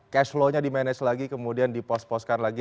cash flow nya di manage lagi kemudian dipos poskan lagi